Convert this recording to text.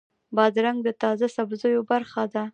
بادرنګ د تازه سبزیو برخه ده.